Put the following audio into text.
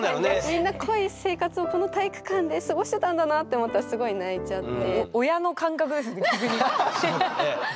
みんな濃い生活をこの体育館で過ごしてたんだなって思ったらすごい泣いちゃって。